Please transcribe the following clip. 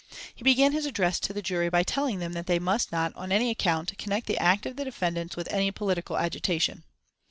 He began his address to the jury by telling them that they must not, on any account, connect the act of the defendants with any political agitation.